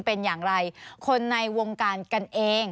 สนุนโดยน้ำดื่มสิง